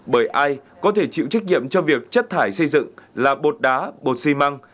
bởi ai có thể chịu trách nhiệm cho việc chất thải xây dựng là bột đá bột xi măng